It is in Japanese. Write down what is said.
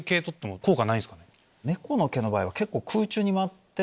猫の毛の場合は空中に舞って。